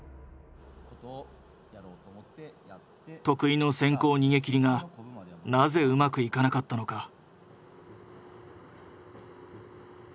得意の先行逃げきりがなぜうまくいかなかったのか？